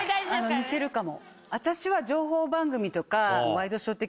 似てるかも。